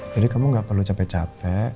jadi kamu gak perlu capek capek